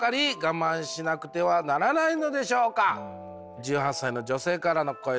１８歳の女性からの声です。